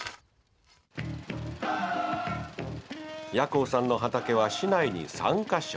八高さんの畑は市内に３か所。